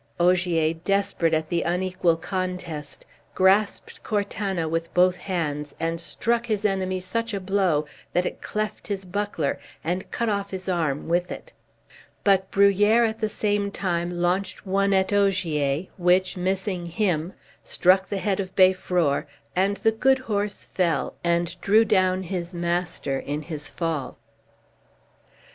Ogier, desperate at the unequal contest, grasped Cortana with both hands, and struck his enemy such a blow that it cleft his buckler, and cut off his arm with it; but Bruhier at the same time launched one at Ogier, which, missing him, struck the head of Beiffror, and the good horse fell, and drew down his master in his fall.